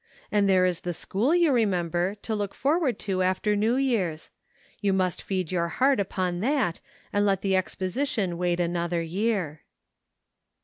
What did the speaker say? And there is the school, you remember, to look forward to after New Year's. You must feed your heart upon that and let the Exposition wait another year."